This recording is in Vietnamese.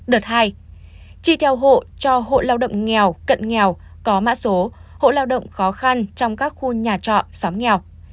đợt hai chi theo hộ cho hộ lao động nghèo cận nghèo có mã số hộ lao động khó khăn trong các khu nhà trọ xóm nghèo